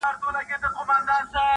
o ټولنه ورو ورو بدلېږي لږ,